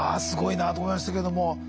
すごいなと思いましたけども。